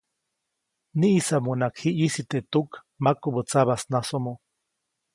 Niʼisamuŋnaʼak ji ʼyisi teʼ tuk makubä tsabasnasomo.